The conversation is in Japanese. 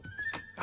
あ！